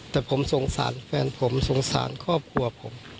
แต่ผมสงสารแฟนผมสงสารครอบครัวผม